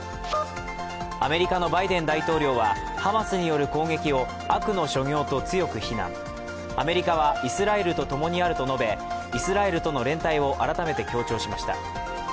アメリカのバイデン大統領はハマスによる攻撃を、悪の所業と強く非難アメリカはイスラエルと共にあると述べイスラエルとの連帯を改めて強調しました。